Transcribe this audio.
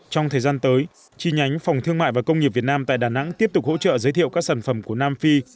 trong thời gian tới chi nhánh phòng thương mại và công nghiệp việt nam tại đà nẵng tiếp tục hỗ trợ giới thiệu các sản phẩm của nam phi